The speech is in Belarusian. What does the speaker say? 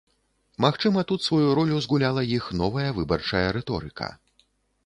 Магчыма тут сваю ролю згуляла іх новая выбарчая рыторыка.